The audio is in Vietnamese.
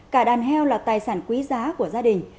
cả đàn heo là tài sản quý giá của gia đình